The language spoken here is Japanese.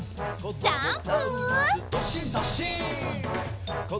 ジャンプ！